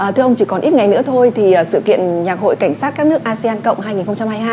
thưa ông chỉ còn ít ngày nữa thôi thì sự kiện nhạc hội cảnh sát các nước asean cộng hai nghìn hai mươi hai